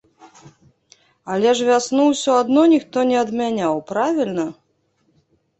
Але ж вясну ўсё адно ніхто не адмяняў, правільна?